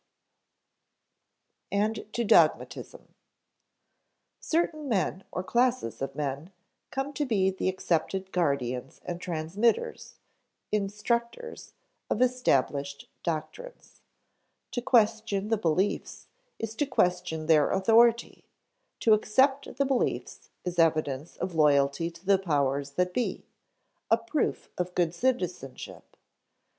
23.) [Sidenote: and to dogmatism] Certain men or classes of men come to be the accepted guardians and transmitters instructors of established doctrines. To question the beliefs is to question their authority; to accept the beliefs is evidence of loyalty to the powers that be, a proof of good citizenship.